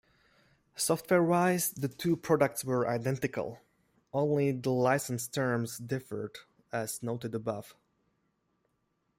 Software-wise, the two products were identical; only the license terms differed, as noted above.